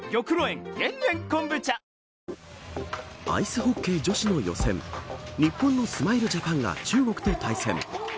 アイスホッケー女子の予選日本のスマイルジャパンが中国と対戦。